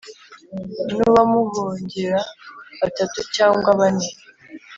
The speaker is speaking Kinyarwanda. N'uwamuhongera batatu cyangwa bane